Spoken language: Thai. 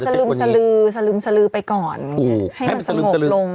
ให้มันเหมือนสลึมไปก่อนให้มันสมบลง